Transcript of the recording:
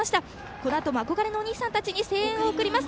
このあとも憧れのお兄さんたちに声援を送ります。